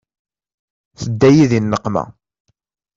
Tedda-yi di nneqma.